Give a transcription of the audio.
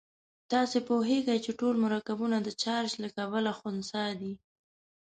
تاسې پوهیږئ چې ټول مرکبونه د چارج له کبله خنثی دي.